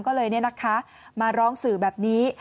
ก็เลยมาร้องสื่อแบบนี้